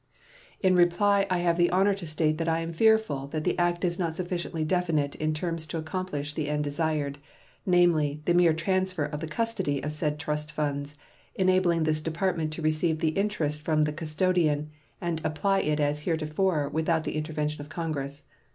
In reply I have the honor to state that I am fearful that the act is not sufficiently definite in terms to accomplish the end desired, namely, the mere transfer of the custody of said trust funds, enabling this Department to receive the interest from the custodian and apply it as heretofore without the intervention of Congress.